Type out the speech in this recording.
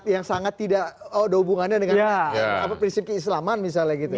yang sangat tidak ada hubungannya dengan prinsip keislaman misalnya gitu ya